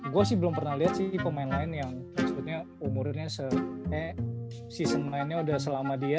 gue sih belum pernah lihat sih pemain lain yang sebetulnya umurnya eh season mainnya udah selama dia